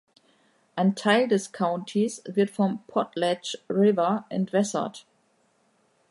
Ein Teil des Countys wird vom Potlatch River entwässert.